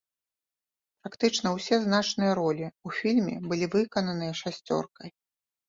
Практычна ўсе значныя ролі ў фільме былі выкананыя шасцёркай.